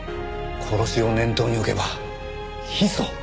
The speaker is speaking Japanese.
殺しを念頭に置けば砒素。